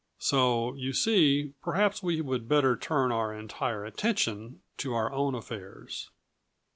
So you see, perhaps we would better turn our entire attention to our own affairs."